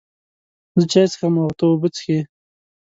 زه چای څښم او ته اوبه څښې